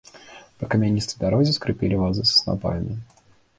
Па камяністай дарозе скрыпелі вазы з снапамі.